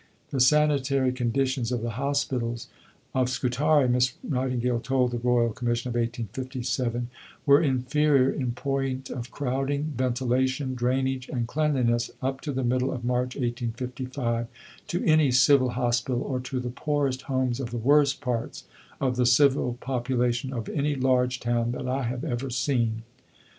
"The sanitary conditions of the hospitals of Scutari," Miss Nightingale told the Royal Commission of 1857, "were inferior in point of crowding, ventilation, drainage, and cleanliness, up to the middle of March 1855, to any civil hospital, or to the poorest homes of the worst parts of the civil population of any large town that I have ever seen.